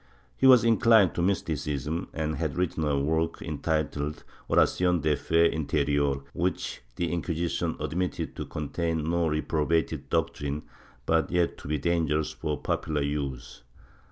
He was inclined to mysticism and had written a work entitled Oracion de Fe interior, which the Inquisition admitted to contain no reprobated doctrine but yet to be dangerous for popu lar use.